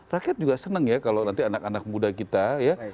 rakyat juga senang ya kalau nanti anak anak muda kita ya